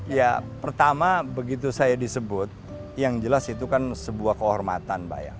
ya pertama begitu saya disebut yang jelas itu kan sebuah kehormatan mbak ya